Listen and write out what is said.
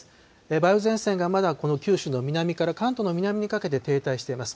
梅雨前線がまだ九州の南から関東の南にかけて停滞しています。